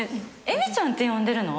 映見ちゃんって呼んでるの！？